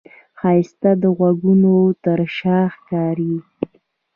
ښایست د غږونو تر شا ښکاري